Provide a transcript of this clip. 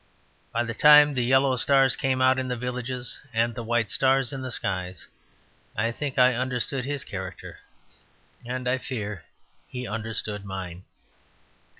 But by the time the yellow stars came out in the villages and the white stars in the skies, I think I understood his character; and I fear he understood mine.